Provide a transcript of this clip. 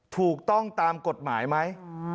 ถูกต้องตามกฎหมายไหม